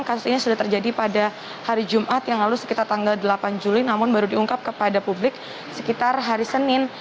kasus ini sudah terjadi pada hari jumat yang lalu sekitar tanggal delapan juli namun baru diungkap kepada publik sekitar hari senin